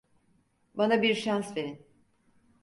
Bana bir şans verin.